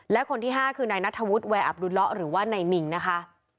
และคนที่๕คือนายนัทธวุฒิแวร์อับดุลละหรือว่านายมิงนะคะ